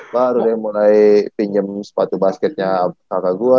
baru deh mulai pinjem sepatu basketnya kakak gua